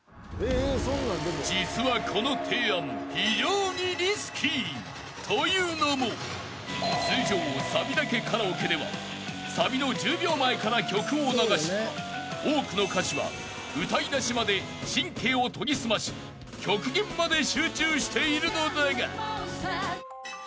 ［実はこの提案非常にリスキー。というのも通常サビだけカラオケではサビの１０秒前から曲を流し多くの歌手は歌い出しまで神経を研ぎ澄まし極限まで集中しているのだが］